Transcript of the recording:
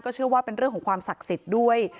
เชื่อว่าเป็นเรื่องของความศักดิ์สิทธิ์ด้วย